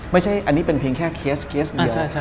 ไม่ใช่อันนี้เป็นเพียงแค่เคสเคสเดียว